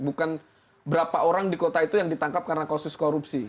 bukan berapa orang di kota itu yang ditangkap karena kasus korupsi